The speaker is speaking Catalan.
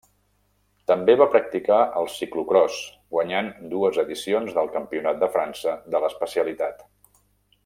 També va practicar el ciclocròs, guanyant dues edicions del Campionat de França de l'especialitat.